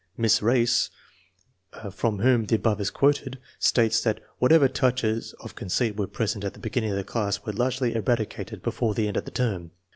Miss Race, from whom the above is quoted, states that whatever touches of conceit were present at the beginning of the class were largely eradicated before the end of the term.